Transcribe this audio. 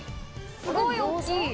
すごい大っきい。